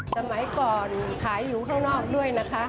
สมัยก่อนขายอยู่ข้างนอกด้วยนะคะ